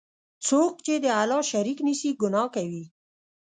څوک چی د الله شریک نیسي، ګناه کوي.